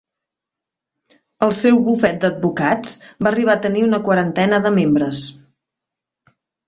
El seu bufet d'advocats va arribar a tenir una quarantena de membres.